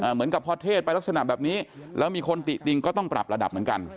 เหมือนกับพอเทศไปลักษณะแบบนี้แล้วมีคนติติงก็ต้องปรับระดับเหมือนกัน